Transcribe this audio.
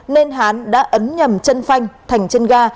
nên hán đã ấn nhầm chân phanh thành chân ga